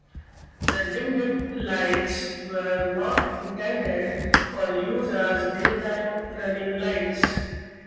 The dim-dip lights were not intended for use as daytime running lights.